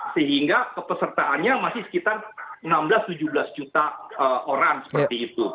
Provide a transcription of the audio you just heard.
sehingga kepesertaannya masih sekitar enam belas tujuh belas juta orang seperti itu